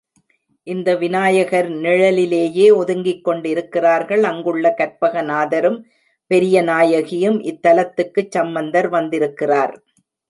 இந்த விநாயகர் நிழலிலேயே ஒதுங்கிக் கொண்டிருக்கிறார்கள் அங்குள்ள கற்பகநாதரும் பெரியநாயகியும், இத் தலத்துக்குச் சம்பந்தர் வந்திருக்கிறார்.